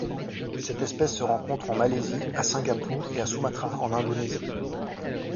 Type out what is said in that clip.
Cette espèce se rencontre en Malaisie, à Singapour et à Sumatra en Indonésie.